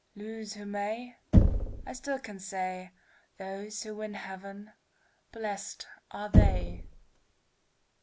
Lose who may—I still can say, Those who win heaven, bless'd are they!